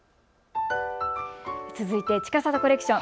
ちかさとコレクション。